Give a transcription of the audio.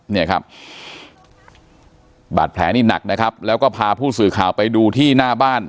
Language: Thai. เนี่ยครับบาดแผลนี่หนักนะครับแล้วก็พาผู้สื่อข่าวไปดูที่หน้าบ้าน